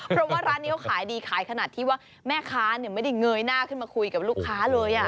เพราะว่าร้านนี้เขาขายดีขายขนาดที่ว่าแม่ค้าไม่ได้เงยหน้าขึ้นมาคุยกับลูกค้าเลย